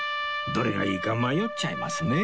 どれがいいか迷っちゃいますね